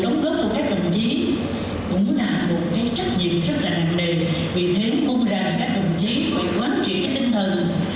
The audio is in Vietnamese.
nó là một cái trách nhiệm rất là đặc biệt vì thế ông rằng các đồng chí phải quan trị cái tinh thần